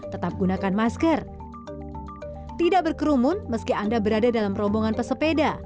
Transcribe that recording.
tetap gunakan masker tidak berkerumun meski anda berada dalam rombongan pesepeda